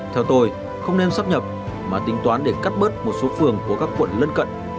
theo tôi không nên sắp nhập mà tính toán để cắt bớt một số phường của các quận lân cận